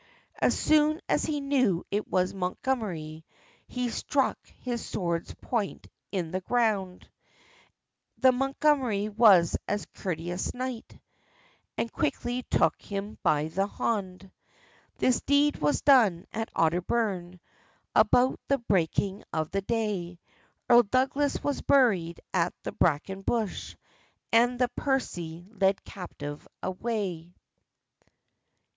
As soon as he knew it was Montgomery, He stuck his sword's point in the gronde; The Montgomery was a courteous knight, And quickly took him by the honde. This deed was done at Otterbourne, About the breaking of the day; Earl Douglas was buried at the braken bush, And the Percy led captive away.